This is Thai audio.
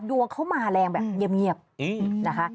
ดวงเขามาแรงแบบเงียบนะคะ